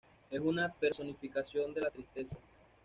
Es una personificación de la tristeza.